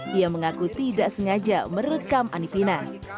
dia mengaku tidak sengaja merekam anipina